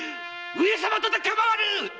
上様とて構わぬ！